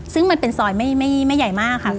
ซึ่งมันเป็นซอยไม่ใหญ่มากค่ะ